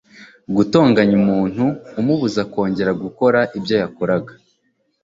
gutonganya umuntu umubuza kongera gukora ibyo yakoraga